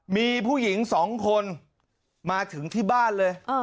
มีผู้หญิง๒คนมาถึงที่บ้านเลย